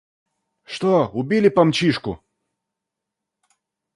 Что, убили Помчишку?